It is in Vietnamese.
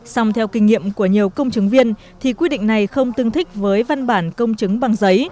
xong theo kinh nghiệm của nhiều công chứng viên thì quy định này không tương thích với văn bản công chứng bằng giấy